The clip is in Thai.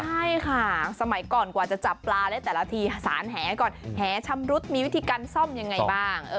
ใช่ค่ะสมัยก่อนกว่าจะจับปลาได้แต่ละทีสารแหก่อนแหชำรุดมีวิธีการซ่อมยังไงบ้าง